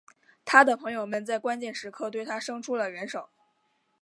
他的朋友们在关键时刻对他生出了援手。